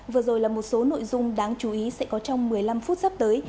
vừa rồi là một số nội dung đáng chú ý sẽ có trong một mươi năm phút sắp tới